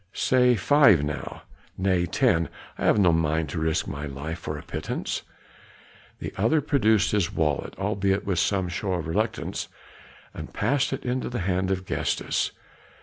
"Say five now!" "Nay, ten; I have no mind to risk my life for a pittance." The other produced his wallet, albeit with some show of reluctance, and passed it into the hand of Gestas.